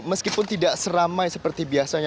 meskipun tidak seramai seperti biasanya